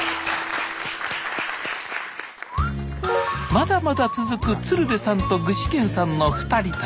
まだまだ続く鶴瓶さんと具志堅さんの２人旅。